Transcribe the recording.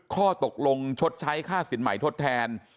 ข้อตกลงชดใช้ค่าสินใหม่ทดแทน